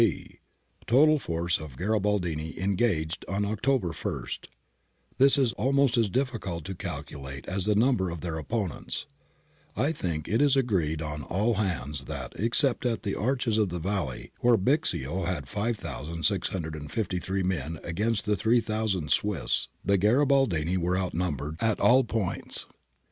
{b) Total Force of Garibaldini Engaged on October i This is almost as difficult to calculate as the number of their opponents. I think it is agreed on all hands that, except at the Arches of the Valley, where Bixio had 5653 men against the 3000 Swiss, the Garibaldini were outnumbered at all points.